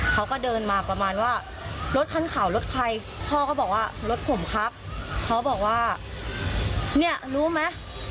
เขาก็เดินมาประมาณว่ารถคันขาวรถใครพ่อก็บอกว่ารถผมครับเขาบอกว่าเนี่ยรู้ไหม